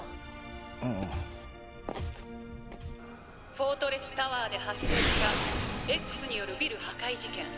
「フォートレスタワーで発生したＸによるビル破壊事件。